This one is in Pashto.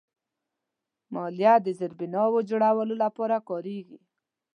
مالیه د زیربناوو جوړولو لپاره کارېږي.